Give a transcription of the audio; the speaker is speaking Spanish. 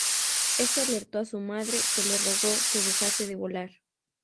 Esto alertó a su madre, que le rogó que dejase de volar.